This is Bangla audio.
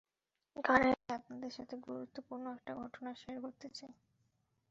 গানের আগে আপনাদের সাথে গুরুত্বপূর্ণ একটা ঘটনা শেয়ার করতে চাই।